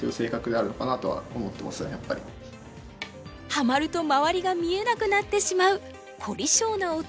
ハマると周りが見えなくなってしまう凝り性な男